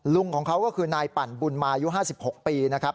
ลุงของเขาก็คือนายปั่นบุญมายุ๕๖ปีนะครับ